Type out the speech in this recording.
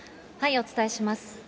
お伝えします。